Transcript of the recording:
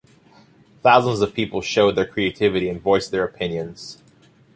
Thousands of people showed their creativity and voiced their opinions.